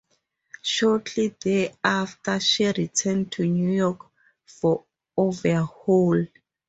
Shortly thereafter she returned to New York for overhaul.